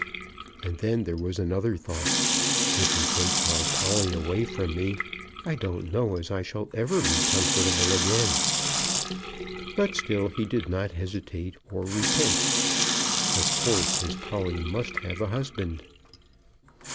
And then there was another thought, "If he takes my Polly away from me, I don't know as I shall ever be comfortable again." But still he did not hesitate or repent. Of course his Polly must have a husband.